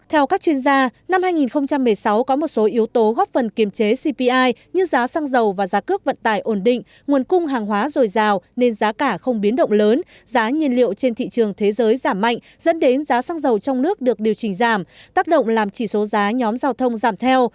theo các chuyên gia năm hai nghìn một mươi sáu có một số yếu tố góp phần kiềm chế cpi như giá xăng dầu và giá cước vận tải ổn định nguồn cung hàng hóa dồi dào nên giá cả không biến động lớn giá nhiên liệu trên thị trường thế giới giảm mạnh dẫn đến giá xăng dầu trong nước được điều chỉnh giảm tác động làm chỉ số giá nhóm giao thông giảm theo